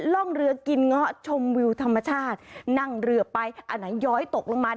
ร่องเรือกินเงาะชมวิวธรรมชาตินั่งเรือไปอันไหนย้อยตกลงมา